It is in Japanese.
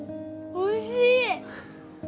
おいしい。